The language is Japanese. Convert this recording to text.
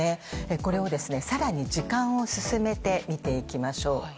これをさらに時間を進めて見ていきましょう。